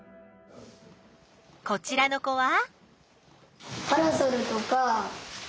こちらの子は？